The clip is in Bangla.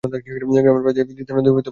গ্রামের পাশ দিয়ে তিস্তা নদী প্রবাহিত ছিল।